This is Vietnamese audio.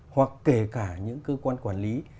hoặc kể cả những cơ quan quản lý